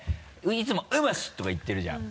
いつも「うまし！」とか言ってるじゃん。